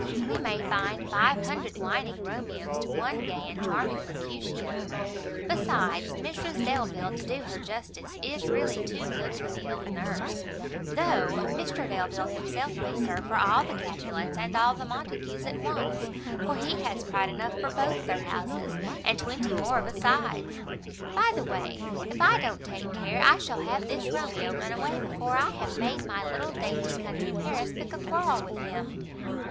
we may find five hundred whining Romeos to one gay and charming Mercutio. Besides, Mrs Delvile, to do her justice, is really too good for the old Nurse, though Mr Delvile himself may serve for all the Capulets and all the Montagues at once, for he has pride enough for both their houses, and twenty more besides. By the way, if I don't take care, I shall have this Romeo run away before I have made my little dainty country Paris pick a quarrel with him."